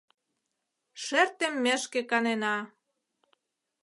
— Шер теммешке канена.